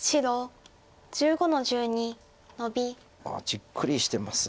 じっくりしてます。